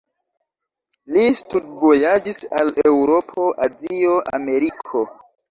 Li studvojaĝis al Eŭropo, Azio, Ameriko.